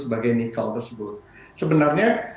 sebagai nikel tersebut sebenarnya